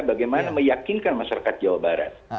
bagaimana meyakinkan masyarakat jawa barat